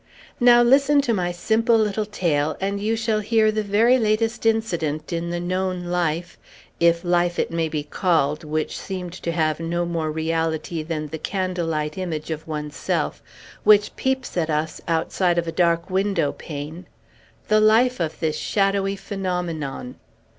Now, listen to my simple little tale, and you shall hear the very latest incident in the known life (if life it may be called, which seemed to have no more reality than the candle light image of one's self which peeps at us outside of a dark windowpane) the life of this shadowy phenomenon.